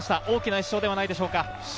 大きな一勝ではないでしょうか。